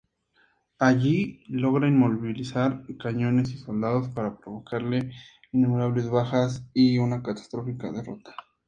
Allí logra inmovilizar cañones y soldados, para provocarle innumerables bajas y una catastrófica derrota.